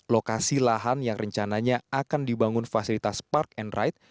lokasi lahan yang rencananya akan dibangun fasilitas park and ride